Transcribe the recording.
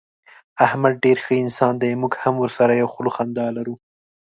احمد ډېر ښه انسان دی. موږ هم ورسره یوه خوله خندا لرو.